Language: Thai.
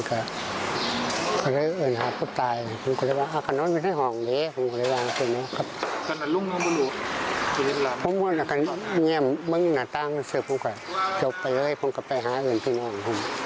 จบไปเถอะเพราะไปหาอินที่นั่ง